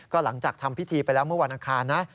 ก็หลังจากทำพิธีไปแล้วเมื่อวันอังคารนะ